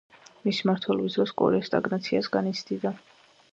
მისი მმართველობის დროს კორეა სტაგნაციას განიცდიდა.